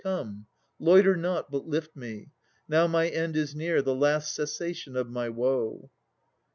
Come, loiter not, but lift me. Now my end Is near, the last cessation of my woe.